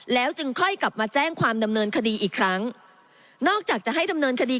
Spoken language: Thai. แล้วจึงค่อยกลับมาแจ้งความดำเนินคดีอีกครั้งนอกจากจะให้ดำเนินคดี